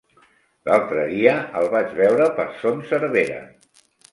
L'altre dia el vaig veure per Son Servera.